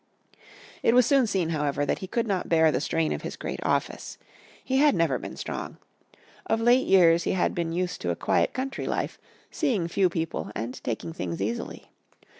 It was soon seen, however, that he could not bear the strain of his great office. He had never been strong. Of late years he had been used to a quiet country life, seeing few people and taking things easily.